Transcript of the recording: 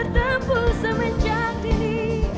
ya aku mencari